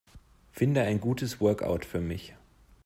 Finde ein gutes Workout für mich.